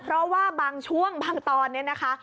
เพราะว่าบางช่วงบางตอนเนี่ยนะคะ